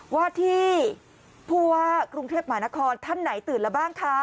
ว่าที่ผู้ว่ากรุงเทพหมานครท่านไหนตื่นแล้วบ้างคะ